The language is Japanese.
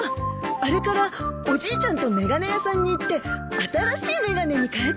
あれからおじいちゃんと眼鏡屋さんに行って新しい眼鏡に替えたんだ。